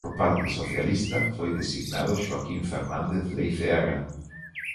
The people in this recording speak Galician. Por parte socialista foi designado Xoaquín Fernández Leiceaga.